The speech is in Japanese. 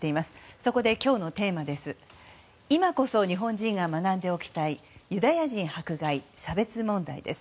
そこで今日のテーマは今こそ日本人が学んでおきたいユダヤ人迫害・差別問題です。